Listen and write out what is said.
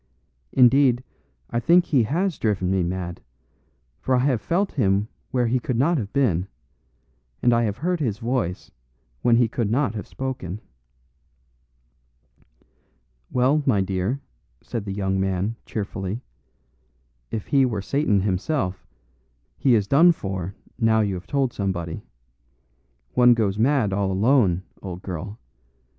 Indeed, I think he has driven me mad; for I have felt him where he could not have been, and I have heard his voice when he could not have spoken." "Well, my dear," said the young man, cheerfully, "if he were Satan himself, he is done for now you have told somebody. One goes mad all alone, old girl.